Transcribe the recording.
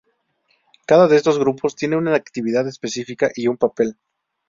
Cada de estos grupos tiene una actividad específica y un papel.